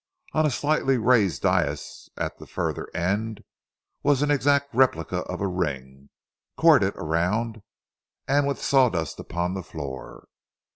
On a slightly raised dais at the further end was an exact replica of a ring, corded around and with sawdust upon the floor.